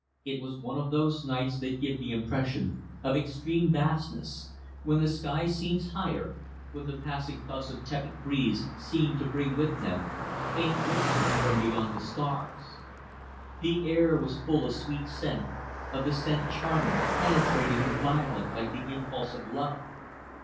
It was one of those nights that give the impression of extreme vastness, when the sky seems higher, when the passing puffs of tepid breeze seem to bring with them faint whispers from beyond the stars. The air was full of sweet scent, of the scent charming, penetrating and violent like the impulse of love.